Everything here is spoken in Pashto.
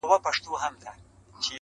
د یوې ورځي دي زر ډالره کیږي!